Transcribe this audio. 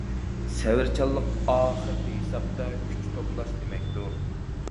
سەۋرچانلىق ئاخىرقى ھېسابتا كۈچ توپلاش دېمەكتۇر.